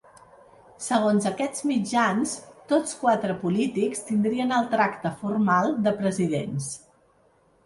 Segons aquests mitjans, tots quatre polítics tindrien el tracte formal de presidents.